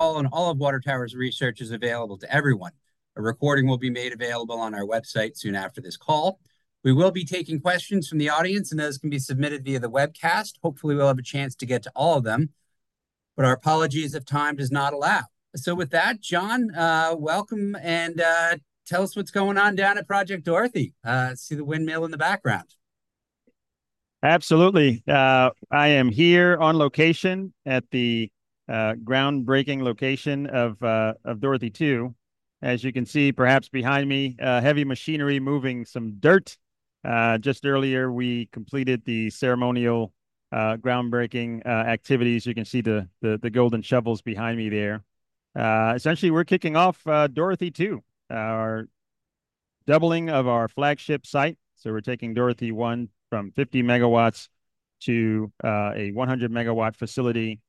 All of Water Tower's research is available to everyone. A recording will be made available on our website soon after this call. We will be taking questions from the audience, and those can be submitted via the webcast. Hopefully, we'll have a chance to get to all of them, but our apologies if time does not allow. With that, John, welcome, and tell us what's going on down at Project Dorothy. I see the windmill in the background. Absolutely. I am here on location at the groundbreaking location of Dorothy 2. As you can see, perhaps behind me, heavy machinery moving some dirt. Just earlier, we completed the ceremonial groundbreaking activities. You can see the golden shovels behind me there. Essentially, we're kicking off Dorothy 1, our doubling of our flagship site. So we're taking Dorothy 1 from 50 MWs to a 100-MW facility.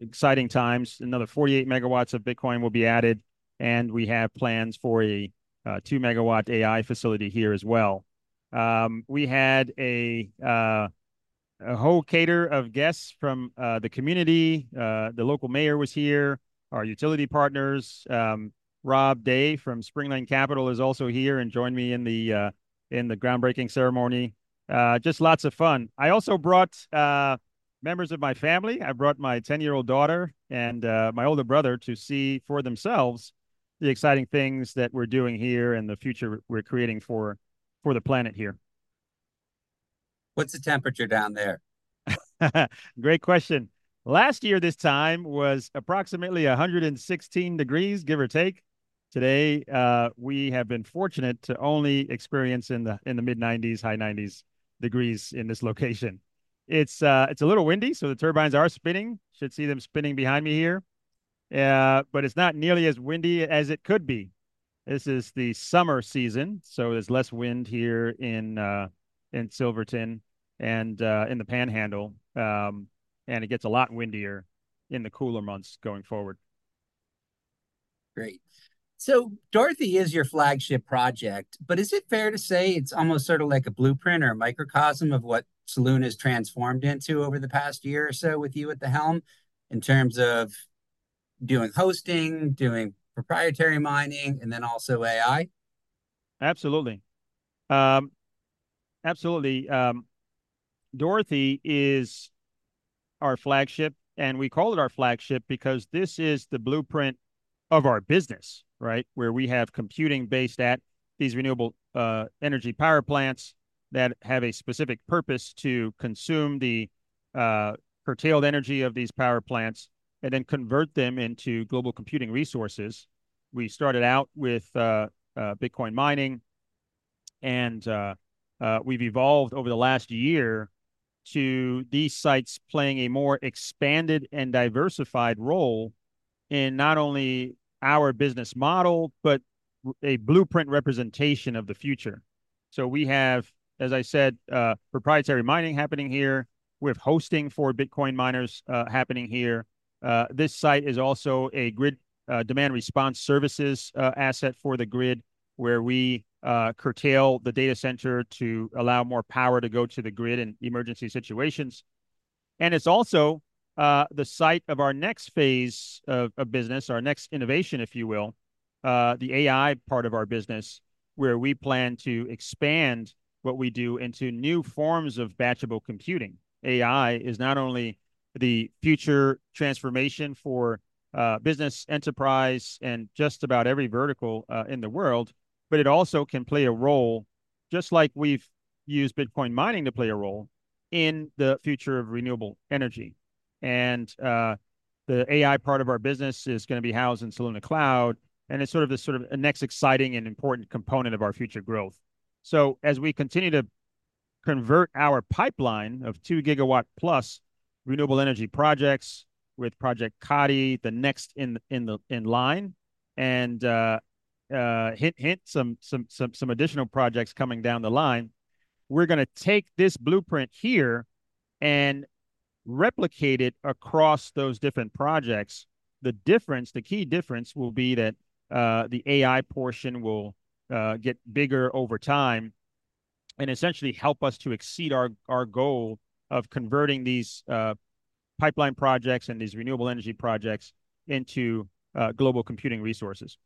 Exciting times. Another 48 MWs of Bitcoin will be added, and we have plans for a 2 MW AI facility here as well. We had a whole cadre of guests from the community. The local mayor was here, our utility partners. Rob Day from Spring Lane Capital is also here and joined me in the groundbreaking ceremony. Just lots of fun. I also brought members of my family. I brought my 10-year-old daughter and my older brother to see for themselves the exciting things that we're doing here and the future we're creating for the planet here. What's the temperature down there? Great question. Last year, this time was approximately 116 degrees Fahrenheit, give or take. Today, we have been fortunate to only experience in the mid-90s, high 90s degrees Fahrenheit in this location. It's a little windy, so the turbines are spinning. Should see them spinning behind me here. But it's not nearly as windy as it could be. This is the summer season, so there's less wind here in Silverton and in the Panhandle, and it gets a lot windier in the cooler months going forward. Great. So Dorothy is your flagship project, but is it fair to say it's almost sort of like a blueprint or a microcosm of what Soluna has transformed into over the past year or so with you at the helm, in terms of doing hosting, doing proprietary mining, and then also AI? Absolutely. Absolutely. Dorothy is our flagship, and we call it our flagship because this is the blueprint of our business, right? Where we have computing based at these renewable energy power plants that have a specific purpose: to consume the curtailed energy of these power plants and then convert them into global computing resources. We started out with Bitcoin mining, and we've evolved over the last year to these sites playing a more expanded and diversified role in not only our business model, but a blueprint representation of the future. So we have, as I said, proprietary mining happening here. We have hosting for Bitcoin miners, happening here. This site is also a grid demand response services asset for the grid, where we curtail the data center to allow more power to go to the grid in emergency situations. And it's also the site of our next phase of business, our next innovation, if you will, the AI part of our business, where we plan to expand what we do into new forms of batchable computing. AI is not only the future transformation for business, enterprise, and just about every vertical in the world, but it also can play a role, just like we've used Bitcoin mining to play a role in the future of renewable energy. The AI part of our business is going to be housed in Soluna Cloud, and it's sort of a next exciting and important component of our future growth. So as we continue to convert our pipeline of 2 gigawatt-plus renewable energy projects with Project Kati, the next in line, hint, hint, some additional projects coming down the line, we're going to take this blueprint here and replicate it across those different projects. The difference, the key difference will be that the AI portion will get bigger over time and essentially help us to exceed our goal of converting these pipeline projects and these renewable energy projects into global computing resources.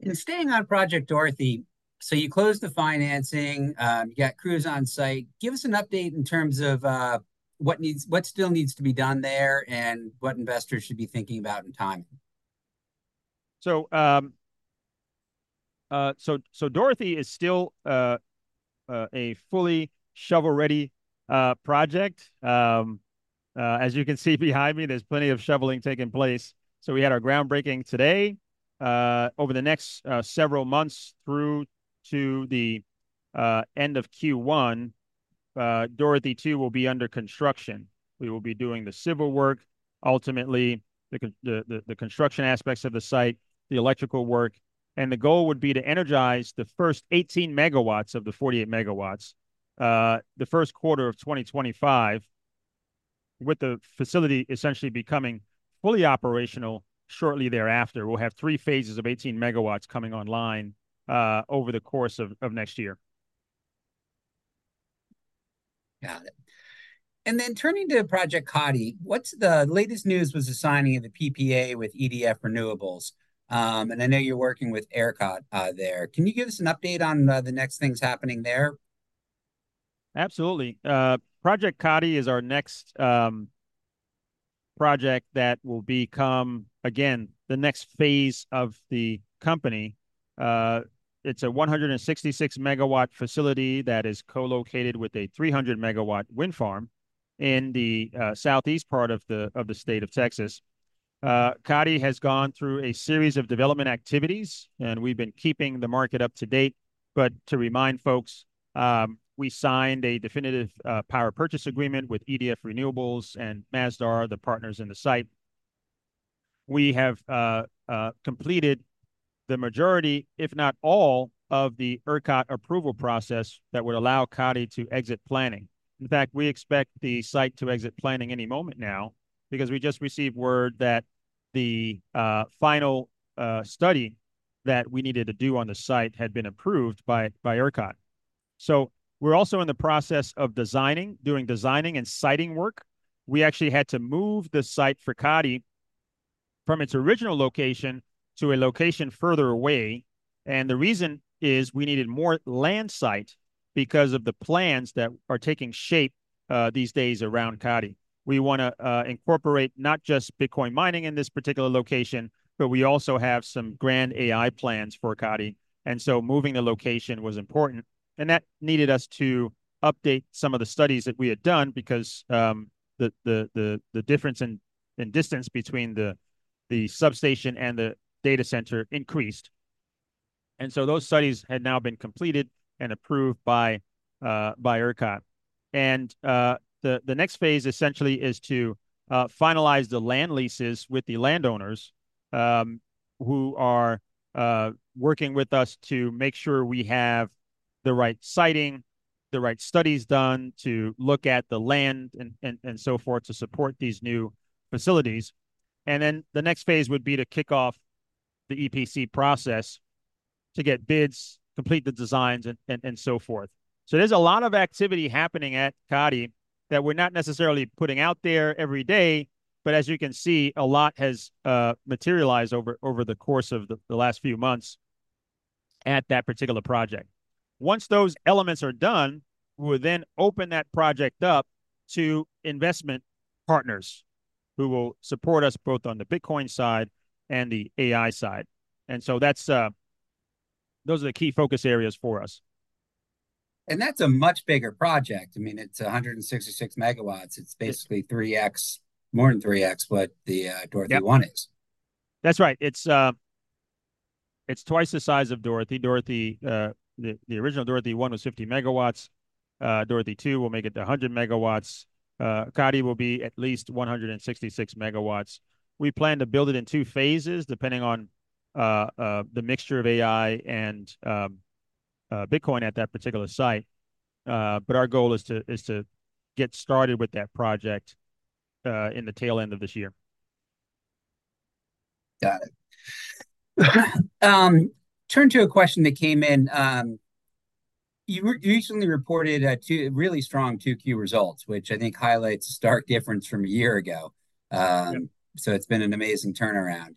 And staying on Project Dorothy, so you closed the financing, you got crews on site. Give us an update in terms of what still needs to be done there and what investors should be thinking about in timing. Dorothy is still a fully shovel-ready project. As you can see behind me, there's plenty of shoveling taking place. We had our groundbreaking today. Over the next several months through to the end of Q1, Dorothy II will be under construction. We will be doing the civil work, ultimately, the construction aspects of the site, the electrical work. The goal would be to energize the first 18 MWs of the 48 MWs, the Q1 of 2025, with the facility essentially becoming fully operational shortly thereafter. We'll have three phases of 18 MWs coming online over the course of next year.... Got it. And then turning to Project Kati, what's the latest news was the signing of the PPA with EDF Renewables. And I know you're working with ERCOT, there. Can you give us an update on the next things happening there? Absolutely. Project Kati is our next project that will become, again, the next phase of the company. It's a 166 MW facility that is co-located with a 300 MW wind farm in the southeast part of the state of Texas. Kati has gone through a series of development activities, and we've been keeping the market up to date. But to remind folks, we signed a definitive power purchase agreement with EDF Renewables and Masdar, the partners in the site. We have completed the majority, if not all, of the ERCOT approval process that would allow Kati to exit planning. In fact, we expect the site to exit planning any moment now, because we just received word that the final study that we needed to do on the site had been approved by ERCOT. So we're also in the process of designing and siting work. We actually had to move the site for Kati from its original location to a location further away, and the reason is we needed more land size because of the plans that are taking shape these days around Kati. We want to incorporate not just Bitcoin mining in this particular location, but we also have some grand AI plans for Kati, and so moving the location was important. And that needed us to update some of the studies that we had done because the difference in distance between the substation and the data center increased. And so those studies had now been completed and approved by ERCOT. And the next phase essentially is to finalize the land leases with the landowners who are working with us to make sure we have the right siting, the right studies done to look at the land and so forth to support these new facilities. And then the next phase would be to kick off the EPC process to get bids, complete the designs, and so forth. There's a lot of activity happening at Kati that we're not necessarily putting out there every day, but as you can see, a lot has materialized over the course of the last few months at that particular project. Once those elements are done, we'll then open that project up to investment partners who will support us both on the Bitcoin side and the AI side. And so that's. Those are the key focus areas for us. And that's a much bigger project. I mean, it's 166 MWs. It's basically 3X, more than 3X what the Dorothy one is. Yep. That's right. It's twice the size of Dorothy. Dorothy, the original Dorothy 1 was 50 MWs. Dorothy 2 will make it to 100 MWs. Kati will be at least 166 MWs. We plan to build it in two phases, depending on the mixture of AI and Bitcoin at that particular site. But our goal is to get started with that project in the tail end of this year. Got it. Turn to a question that came in. You recently reported a really strong Q2 results, which I think highlights a stark difference from a year ago. Yep. So it's been an amazing turnaround.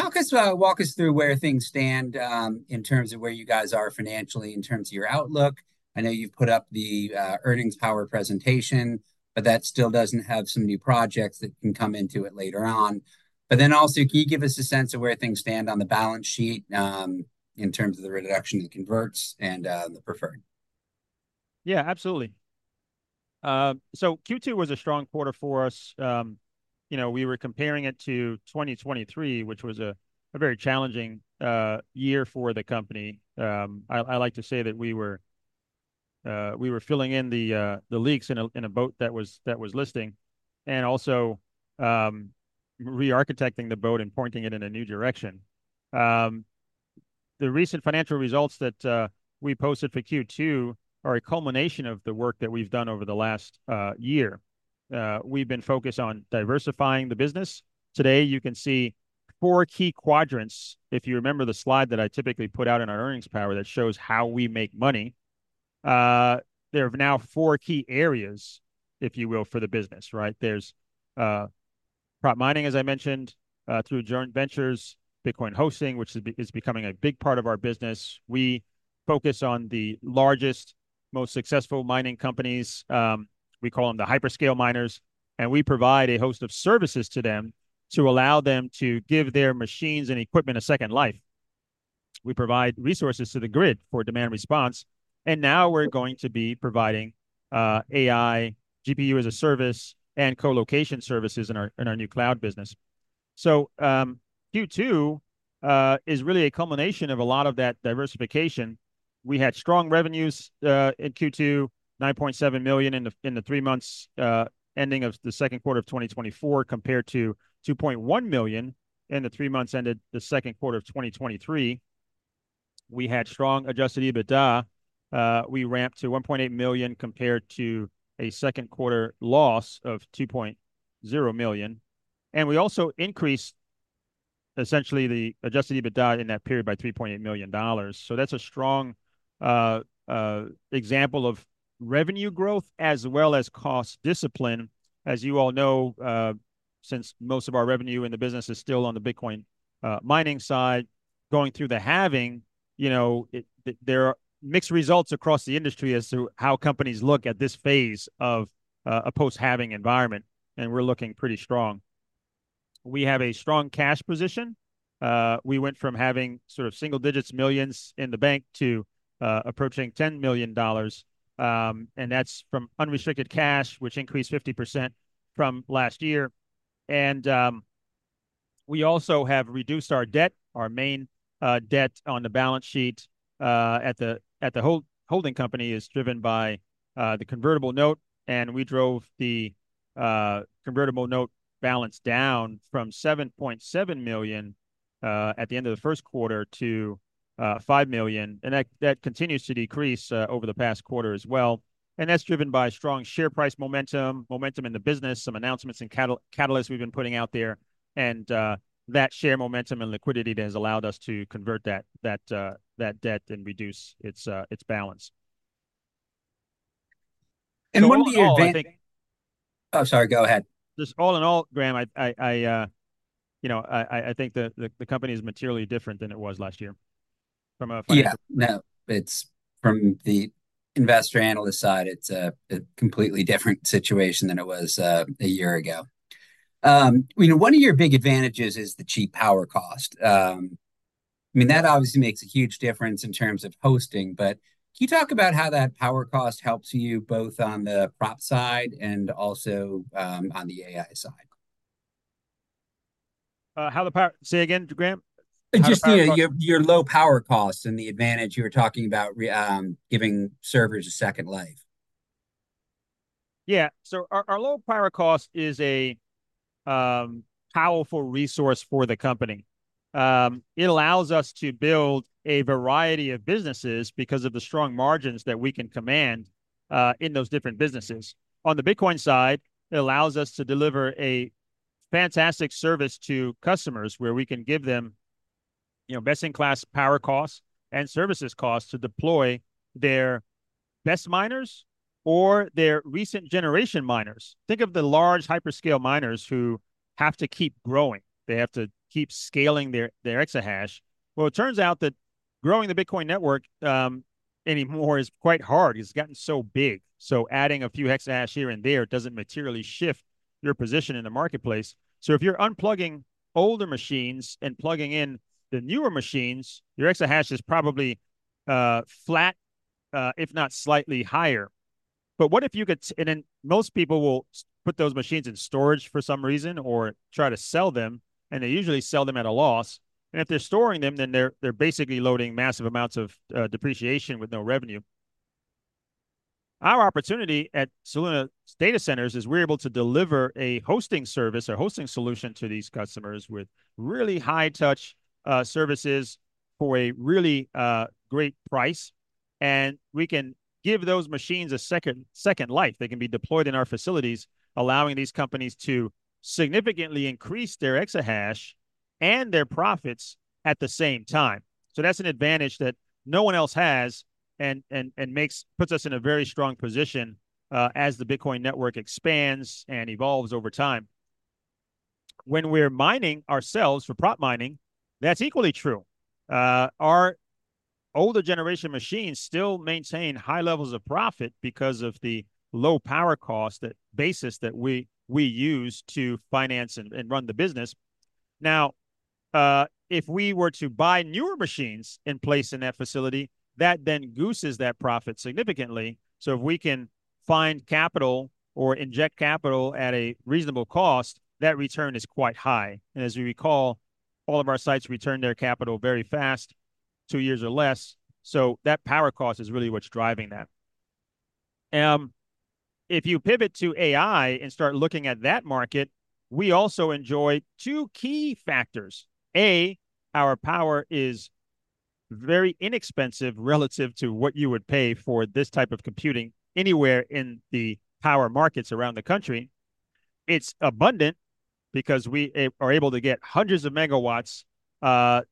Walk us through where things stand in terms of where you guys are financially, in terms of your outlook. I know you've put up the earnings power presentation, but that still doesn't have some new projects that can come into it later on. But then also, can you give us a sense of where things stand on the balance sheet in terms of the reduction in converts and the preferred? Yeah, absolutely, so Q2 was a strong quarter for us. You know, we were comparing it to 2023, which was a very challenging year for the company. I like to say that we were filling in the leaks in a boat that was listing, and also rearchitecting the boat and pointing it in a new direction. The recent financial results that we posted for Q2 are a culmination of the work that we've done over the last year. We've been focused on diversifying the business. Today, you can see four key quadrants. If you remember the slide that I typically put out in our earnings power that shows how we make money, there are now four key areas, if you will, for the business, right? There's prop mining, as I mentioned, through joint ventures, Bitcoin hosting, which is becoming a big part of our business. We focus on the largest, most successful mining companies, we call them the hyperscale miners, and we provide a host of services to them to allow them to give their machines and equipment a second life. We provide resources to the grid for demand response, and now we're going to be providing AI, GPU-as-a-service, and co-location services in our new cloud business. So Q2 is really a culmination of a lot of that diversification. We had strong revenues in Q2, $9.7 million in the three months ending the Q2 of 2024, compared to $2.1 million in the three months ended the Q2 of 2023. We had strong adjusted EBITDA. We ramped to $1.8 million, compared to a Q2 loss of $2.0 million. And we also increased essentially the adjusted EBITDA in that period by $3.8 million. So that's a strong example of revenue growth as well as cost discipline. As you all know, since most of our revenue in the business is still on the Bitcoin mining side, going through the halving, you know, there are mixed results across the industry as to how companies look at this phase of a post-halving environment, and we're looking pretty strong. We have a strong cash position. We went from having sort of single digits millions in the bank to approaching $10 million, and that's from unrestricted cash, which increased 50% from last year. We also have reduced our debt. Our main debt on the balance sheet at the holding company is driven by the convertible note, and we drove the convertible note balance down from $7.7 million at the end of the first quarter to $5 million, and that continues to decrease over the past quarter as well. That's driven by strong share price momentum, momentum in the business, some announcements and catalysts we've been putting out there, and that share momentum and liquidity that has allowed us to convert that debt and reduce its balance. And one of your big- All in all, I think- Oh, sorry, go ahead. Just all in all, Graham, I you know I think the company is materially different than it was last year from a financial- Yeah. No, it's from the investor analyst side, it's a completely different situation than it was a year ago. You know, one of your big advantages is the cheap power cost. I mean, that obviously makes a huge difference in terms of hosting, but can you talk about how that power cost helps you, both on the prop side and also on the AI side? Say again, Graham? How the power- Just, yeah, your low power costs and the advantage you were talking about, giving servers a second life. Yeah. So our low power cost is a powerful resource for the company. It allows us to build a variety of businesses because of the strong margins that we can command in those different businesses. On the Bitcoin side, it allows us to deliver a fantastic service to customers, where we can give them, you know, best-in-class power costs and services costs to deploy their best miners or their recent generation miners. Think of the large hyperscale miners who have to keep growing. They have to keep scaling their exahash. It turns out that growing the Bitcoin network anymore is quite hard. It's gotten so big, so adding a few exahash here and there doesn't materially shift your position in the marketplace. So if you're unplugging older machines and plugging in the newer machines, your exahash is probably flat, if not slightly higher. But what if you could. And then most people will put those machines in storage for some reason or try to sell them, and they usually sell them at a loss, and if they're storing them, then they're basically loading massive amounts of depreciation with no revenue. Our opportunity at Soluna Data Centers is we're able to deliver a hosting service or hosting solution to these customers with really high-touch services for a really great price, and we can give those machines a second life. They can be deployed in our facilities, allowing these companies to significantly increase their exahash and their profits at the same time. So that's an advantage that no one else has and puts us in a very strong position as the Bitcoin network expands and evolves over time. When we're mining ourselves for prop mining, that's equally true. Our older generation machines still maintain high levels of profit because of the low power cost, that basis that we use to finance and run the business. Now, if we were to buy newer machines and place in that facility, that then gooses that profit significantly. So if we can find capital or inject capital at a reasonable cost, that return is quite high. And as you recall, all of our sites return their capital very fast, two years or less, so that power cost is really what's driving that. If you pivot to AI and start looking at that market, we also enjoy two key factors. A, our power is very inexpensive relative to what you would pay for this type of computing anywhere in the power markets around the country. It's abundant because we are able to get hundreds of MWs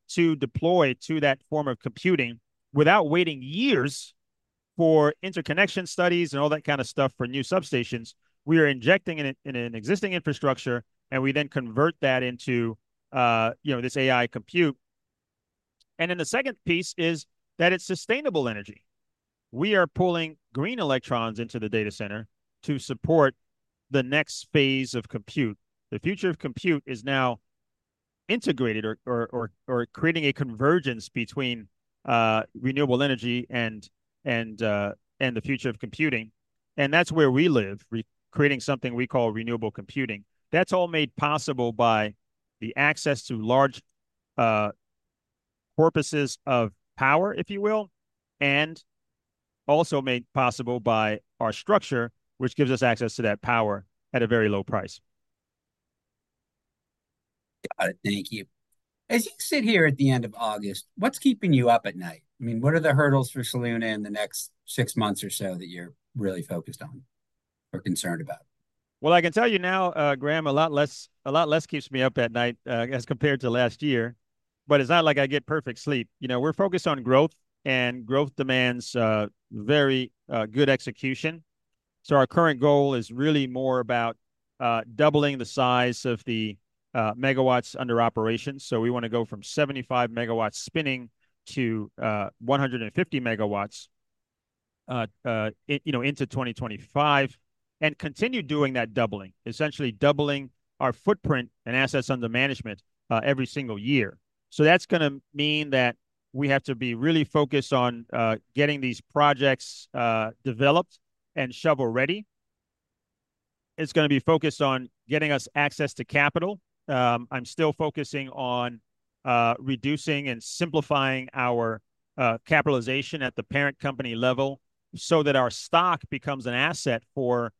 to deploy to that form of computing without waiting years for interconnection studies and all that kind of stuff for new substations. We are injecting it in an existing infrastructure, and we then convert that into, you know, this AI compute, and then the second piece is that it's sustainable energy. We are pulling green electrons into the data center to support the next phase of compute. The future of compute is now integrated or creating a convergence between renewable energy and the future of computing, and that's where we live, recreating something we call renewable computing. That's all made possible by the access to large portions of power, if you will, and also made possible by our structure, which gives us access to that power at a very low price. Got it. Thank you. As you sit here at the end of August, what's keeping you up at night? I mean, what are the hurdles for Soluna in the next six months or so that you're really focused on or concerned about?... Well, I can tell you now, Graham, a lot less, a lot less keeps me up at night, as compared to last year, but it's not like I get perfect sleep. You know, we're focused on growth, and growth demands, very good execution. So our current goal is really more about, doubling the size of the, MWs under operation. So we wanna go from 75 MWs spinning to, 150 MWs, you know, into 2025, and continue doing that doubling. Essentially doubling our footprint and assets under management, every single year. So that's gonna mean that we have to be really focused on, getting these projects, developed and shovel-ready. It's gonna be focused on getting us access to capital. I'm still focusing on reducing and simplifying our capitalization at the parent company level so that our stock becomes an asset for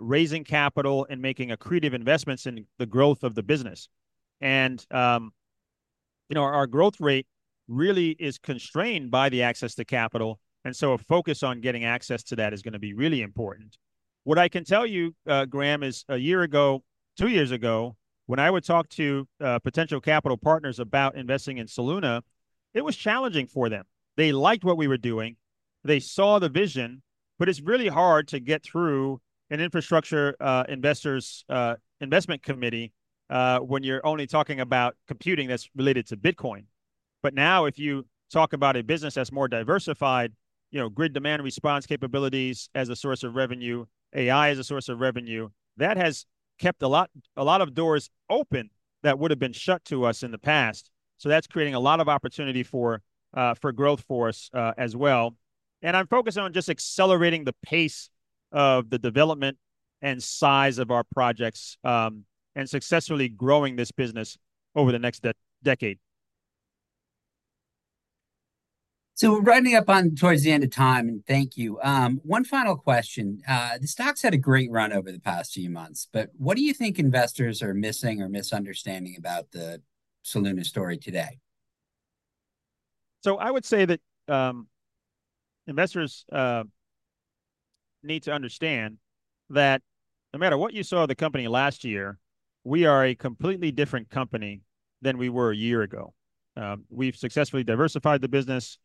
raising capital and making accretive investments in the growth of the business, and you know, our growth rate really is constrained by the access to capital, and so a focus on getting access to that is gonna be really important. What I can tell you, Graham, is a year ago, two years ago, when I would talk to potential capital partners about investing in Soluna, it was challenging for them. They liked what we were doing, they saw the vision, but it's really hard to get through an infrastructure investor's investment committee when you're only talking about computing that's related to Bitcoin. But now, if you talk about a business that's more diversified, you know, grid demand response capabilities as a source of revenue, AI as a source of revenue, that has kept a lot, a lot of doors open that would've been shut to us in the past. So that's creating a lot of opportunity for growth for us, as well. And I'm focused on just accelerating the pace of the development and size of our projects, and successfully growing this business over the next decade. So we're running up on towards the end of time, and thank you. One final question. The stock's had a great run over the past few months, but what do you think investors are missing or misunderstanding about the Soluna story today? So I would say that investors need to understand that no matter what you saw of the company last year, we are a completely different company than we were a year ago. We've successfully diversified the business.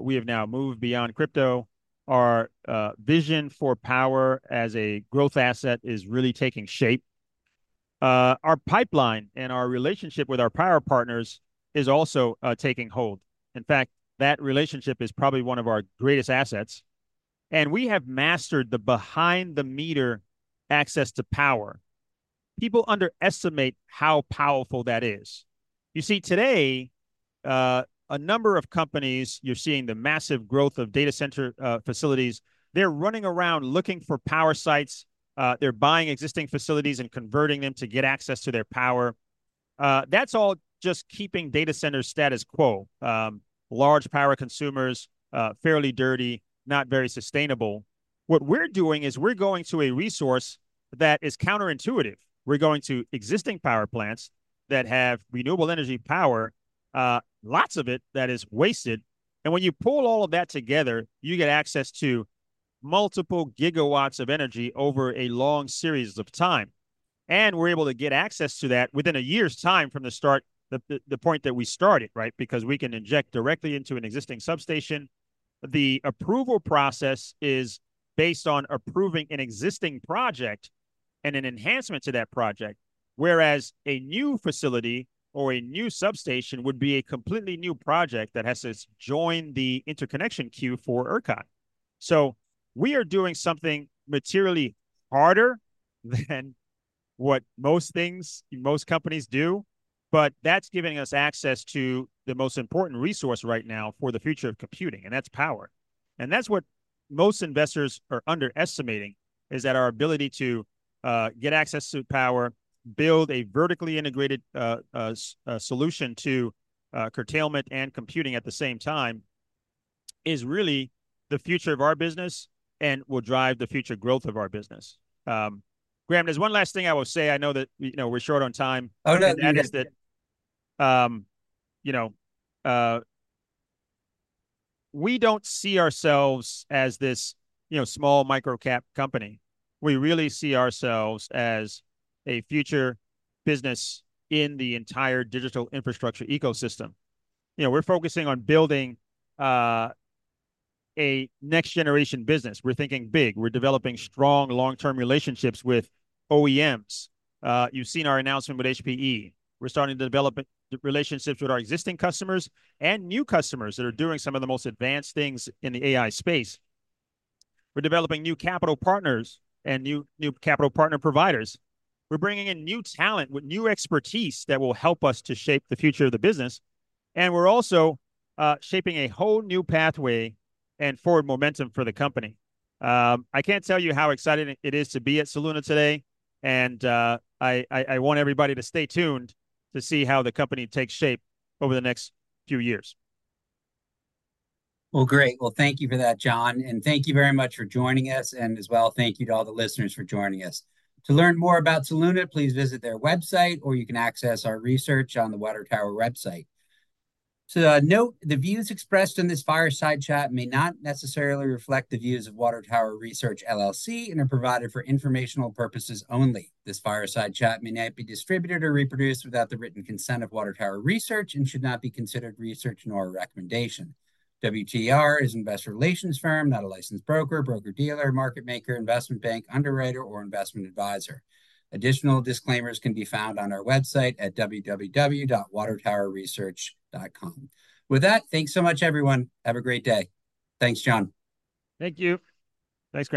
We have now moved beyond crypto. Our vision for power as a growth asset is really taking shape. Our pipeline and our relationship with our power partners is also taking hold. In fact, that relationship is probably one of our greatest assets, and we have mastered the behind-the-meter access to power. People underestimate how powerful that is. You see, today a number of companies, you're seeing the massive growth of data center facilities. They're running around looking for power sites, they're buying existing facilities and converting them to get access to their power. That's all just keeping data center status quo. Large power consumers, fairly dirty, not very sustainable. What we're doing is we're going to a resource that is counterintuitive. We're going to existing power plants that have renewable energy power, lots of it, that is wasted, and when you pull all of that together, you get access to multiple gigawatts of energy over a long series of time. And we're able to get access to that within a year's time from the start, the point that we started, right? Because we can inject directly into an existing substation. The approval process is based on approving an existing project and an enhancement to that project, whereas a new facility or a new substation would be a completely new project that has to join the interconnection queue for ERCOT. So we are doing something materially harder than what most things, most companies do, but that's giving us access to the most important resource right now for the future of computing, and that's power. And that's what most investors are underestimating, is that our ability to get access to power, build a vertically integrated solution to curtailment and computing at the same time, is really the future of our business and will drive the future growth of our business. Graham, there's one last thing I will say. I know that, you know, we're short on time. Oh, no, you got-... and that is that, you know, we don't see ourselves as this, you know, small micro cap company. We really see ourselves as a future business in the entire digital infrastructure ecosystem. You know, we're focusing on building a next-generation business. We're thinking big. We're developing strong long-term relationships with OEMs. You've seen our announcement with HPE. We're starting to develop relationships with our existing customers and new customers that are doing some of the most advanced things in the AI space. We're developing new capital partners and new capital partner providers. We're bringing in new talent with new expertise that will help us to shape the future of the business, and we're also shaping a whole new pathway and forward momentum for the company. I can't tell you how exciting it is to be at Soluna today, and I want everybody to stay tuned to see how the company takes shape over the next few years. Great. Well, thank you for that, John, and thank you very much for joining us. As well, thank you to all the listeners for joining us. To learn more about Soluna, please visit their website, or you can access our research on the Water Tower website. Note, the views expressed in this fireside chat may not necessarily reflect the views of Water Tower Research LLC, and are provided for informational purposes only. This fireside chat may not be distributed or reproduced without the written consent of Water Tower Research and should not be considered research nor a recommendation. WTR is an investor relations firm, not a licensed broker, broker-dealer, market maker, investment bank, underwriter, or investment advisor. Additional disclaimers can be found on our website at www.watertowerresearch.com. With that, thanks so much everyone. Have a great day. Thanks, John. Thank you. Thanks, Graham.